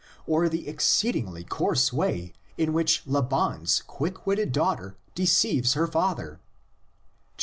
or the exceedingly coarse way in which Laban's quick witted daughter deceives her father (xxxi.